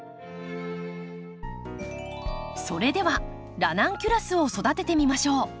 それではラナンキュラスを育ててみましょう。